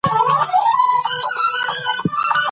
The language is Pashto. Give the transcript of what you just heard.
تاسي ولې هره شپه ناوخته ویده کېږئ؟